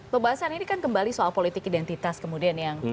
pembahasan ini kan kembali soal politik identitas kemudian yang